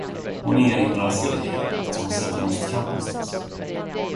Hon erinrade sig, att hon sett en ostkant någonstans.